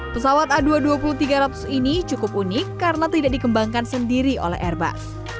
pesawat a dua ratus dua puluh tiga ratus ini cukup unik karena tidak dikembangkan sendiri oleh airbus